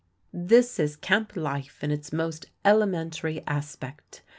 This is camp life in its most elementary aspect.